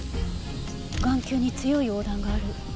眼球に強い黄疸がある。